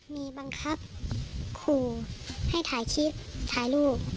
มีบังคับขู่ให้ถ่ายคลิปถ่ายรูป